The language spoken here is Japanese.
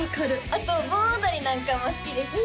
あと盆踊りなんかも好きですお！